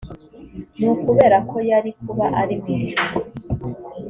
ni ukubera ko yari kuba ari mu ijuru